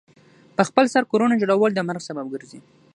پخپل سر کورونو جوړول د مرګ سبب ګرځي.